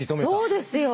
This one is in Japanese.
そうですよ！